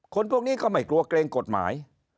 พวกนี้ก็ไม่กลัวเกรงกฎหมาย